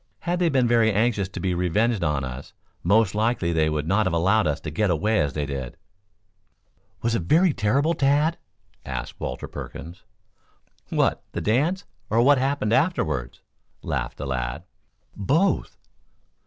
Had they been very anxious to be revenged on us, most likely they would not have allowed us to get away as they did." "Was it very terrible, Tad?" asked Walter Perkins. "What, the dance, or what happened afterwards?" laughed the lad. "Both?"